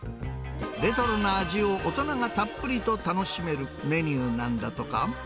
レトロな味を大人がたっぷりと楽しめるメニューなんだとか。